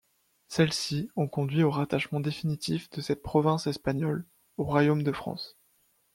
Celles-ci ont conduit au rattachement définitif de cette province espagnole au Royaume de France.